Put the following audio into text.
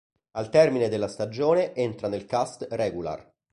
Al termine della stagione, entra nel cast regular.